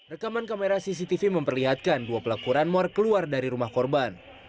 rekaman kamera cctv memperlihatkan dua pelaku runmore keluar dari rumah korban